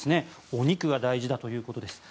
お肉が大事だということです。